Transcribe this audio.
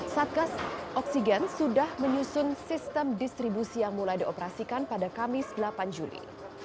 satgas oksigen sudah menyusun sistem distribusi yang mulai dioperasikan pada kamis delapan juli